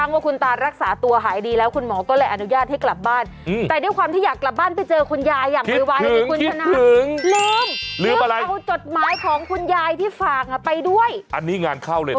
อันนี้งานเข้าเลยนะเออก็เลยทำไงโทรบอกยายก่อนแล้วกันว่ายายตาขอโทษนะตาลืม